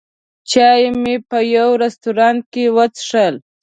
چای مې په یوه رستورانت کې وڅښل.